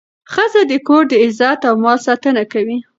ښځه د کور د عزت او مال ساتنه کوي.